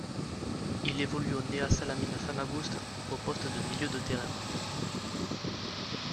Il évolue au Nea Salamina Famagouste au poste de milieu de terrain.